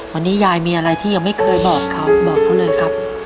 วันนี้ยายมีอะไรที่ยังไม่เคยบอกเขาบอกเขาเลยครับ